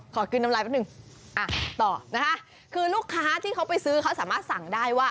คืนน้ำลายแป๊บหนึ่งอ่ะต่อนะคะคือลูกค้าที่เขาไปซื้อเขาสามารถสั่งได้ว่า